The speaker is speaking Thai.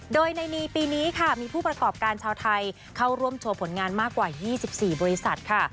โดยในปีนี้ค่ะมีผู้ประกอบการชาวไทยเข้าร่วมโชว์ผลงานมากกว่า๒๔บริษัทค่ะ